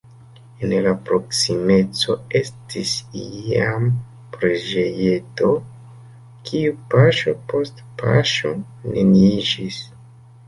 En la proksimeco estis iam preĝejeto, kiu paŝo post paŝo neniiĝis.